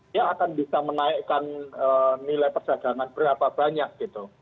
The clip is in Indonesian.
dia akan bisa menaikkan nilai perdagangan berapa banyak gitu